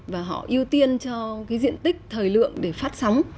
và họ ưu tiên cho diện tích thời lượng để phát sóng